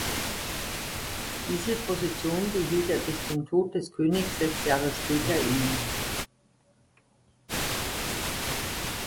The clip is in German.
Diese Position behielt er bis zum Tod des Königs sechs Jahre später inne.